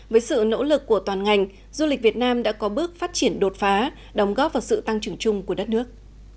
với sự nỗ lực của toàn ngành du lịch việt nam đã có bước phát triển đột phá đóng góp vào sự tăng trưởng chung của đất nước